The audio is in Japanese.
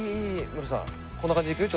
ムロさんこんな感じでいくよ？